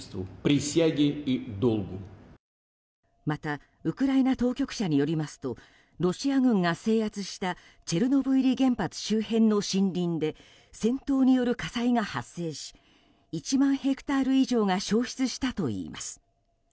またウクライナ当局者によりますとロシア軍が制圧したチェルノブイリ原発周辺の森林で戦闘による火災が発生し１万ヘクタール以上が焼失したといいます。